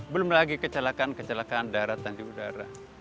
belum lagi kecelakaan kecelakaan darat dan di udara